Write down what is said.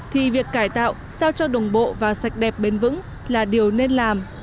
thì việc cải tạo sao cho đồng bộ và sạch đẹp bền vững là điều nên làm